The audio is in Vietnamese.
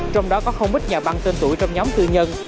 trong đó có không ít nhà băng tên tuổi trong nhóm tư nhân